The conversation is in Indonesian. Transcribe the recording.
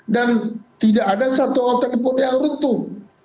dan tidak ada satu hotel pun yang runtuh